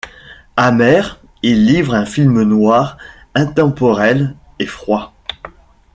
Amer, il livre un film noir, intemporel et froid.